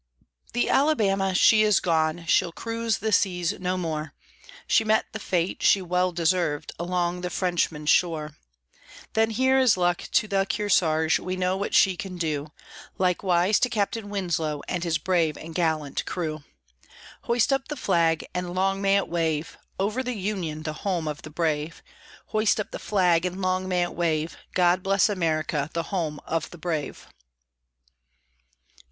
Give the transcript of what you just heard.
The Alabama she is gone, she'll cruise the seas no more, She met the fate she well deserved along the Frenchman's shore; Then here is luck to the Kearsarge, we know what she can do, Likewise to Captain Winslow and his brave and gallant crew. Hoist up the flag, and long may it wave Over the Union, the home of the brave! Hoist up the flag, and long may it wave, God bless America, the home of the brave!